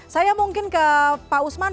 saya mungkin ke pak usman